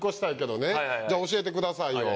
じゃあ教えてくださいよ。